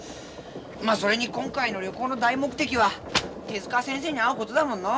まあそれに今回の旅行の大目的は手先生に会うことだもんのう。